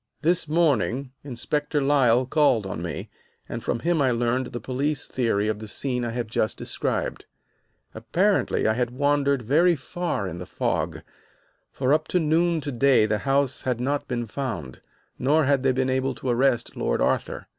"This morning, Inspector Lyle called on me, and from him I learned the police theory of the scene I have just described. "Apparently I had wandered very far in the fog, for up to noon to day the house had not been found, nor had they been able to arrest Lord Arthur.